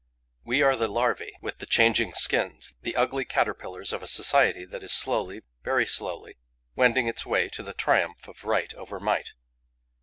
We are the larvae with the changing skins, the ugly caterpillars of a society that is slowly, very slowly, wending its way to the triumph of right over might.